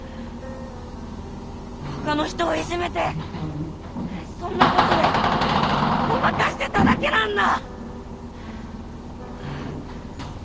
ほかの人をいじめてそんなことでごまかしてただけなんだ！